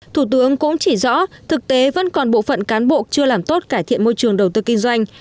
thủ tướng cũng chỉ rõ thực tế vẫn còn bộ phận cán bộ chưa làm tốt cải thiện môi trường đầu tư kinh doanh